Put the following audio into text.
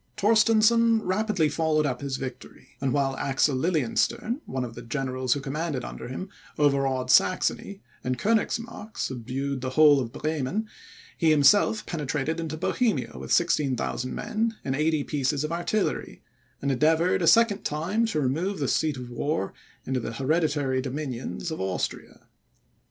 Torstensohn rapidly followed up his victory; and while Axel Lilienstern, one of the generals who commanded under him, overawed Saxony, and Koenigsmark subdued the whole of Bremen, he himself penetrated into Bohemia with 16,000 men and 80 pieces of artillery, and endeavoured a second time to remove the seat of war into the hereditary dominions of Austria.